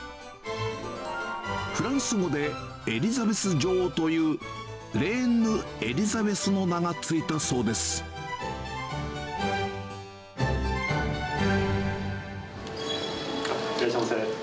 フランス語でエリザベス女王というレーンヌ・エリザベスの名が付いらっしゃいませ。